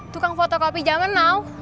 tukang fotokopi jaman now